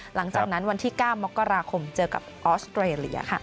หลังจากนั้นวันที่๙มกราคมเจอกับออสเตรเลียค่ะ